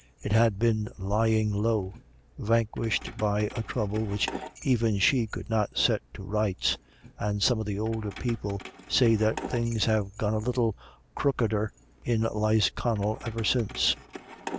It had long been lying low, vanquished by a trouble which even she could not set to rights, and some of the older people say that things have gone a little crookeder in Lisconnel ever since.